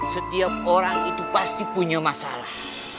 setiap orang itu pasti punya masalah